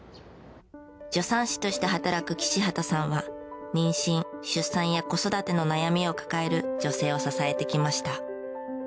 助産師として働く岸畑さんは妊娠・出産や子育ての悩みを抱える女性を支えてきました。